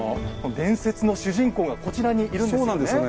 伝説の主人公がこちらにいるんですよね。